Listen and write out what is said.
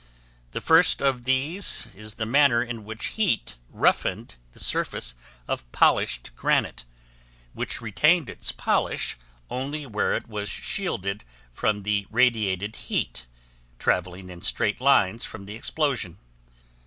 The first of these is the manner in which heat roughened the surface of polished granite, which retained its polish only where it was shielded from the radiated heat travelling in straight lines from the explosion.